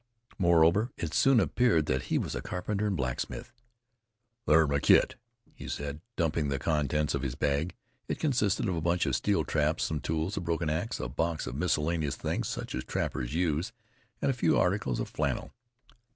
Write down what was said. Moreover, it soon appeared that he was a carpenter and blacksmith. "There's my kit," he said, dumping the contents of his bag. It consisted of a bunch of steel traps, some tools, a broken ax, a box of miscellaneous things such as trappers used, and a few articles of flannel.